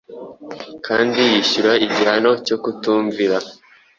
kandi yishyura igihano cyo kutumvira.